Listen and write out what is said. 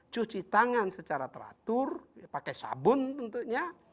cuci tangan secara teratur pakai sabun tentunya